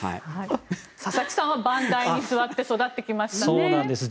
佐々木さんは番台に座って育ってきましたね。